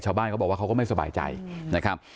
ชาวบ้านเขาบอกว่าเขาก็ไม่สบายใจนะครับ